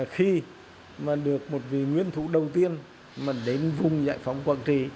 khi được một vị nguyên thủ đầu tiên đến vùng giải phóng quảng trị